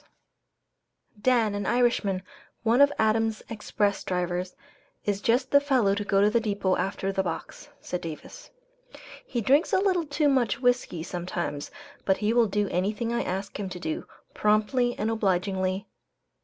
] "Dan, an Irishman, one of Adams' Express drivers, is just the fellow to go to the depot after the box," said Davis. "He drinks a little too much whiskey sometimes, but he will do anything I ask him to do, promptly and obligingly.